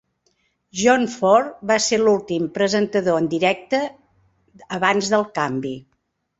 John Ford va ser l'últim presentador en directe abans del canvi.